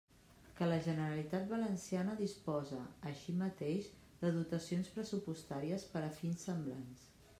Que la Generalitat Valenciana disposa, així mateix, de dotacions pressupostàries per a fins semblants.